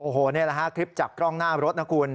โอ้โหนี่คลิปจากกล้องหน้ารถน่ะคุณ